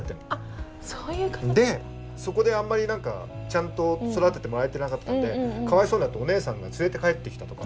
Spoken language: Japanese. でそこであんまりちゃんと育ててもらえてなかったんでかわいそうになってお姉さんが連れて帰ってきたとか。